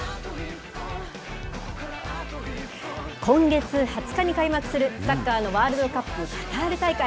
今月２０日に開幕するサッカーのワールドカップカタール大会。